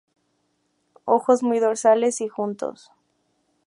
Ojos muy dorsales y juntos.